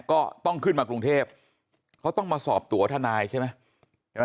ก็ต้องขึ้นมากรุงเทพเขาต้องมาสอบตัวทนายใช่ไหมใช่ไหม